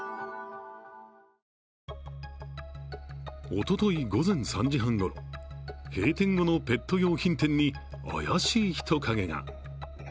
おととい午前３時半ごろ閉店後のペット用品店に怪しい人影が。